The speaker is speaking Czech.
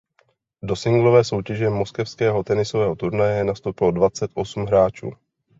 Do singlové soutěže moskevského tenisového turnaje nastoupilo dvacet osm hráčů.